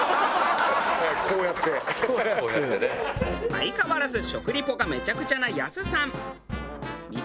相変わらず食リポがめちゃくちゃなやすさん。